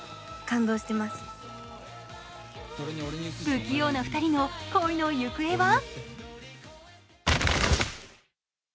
不器用な２人の恋の行方は？